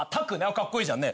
かっこいいじゃんね。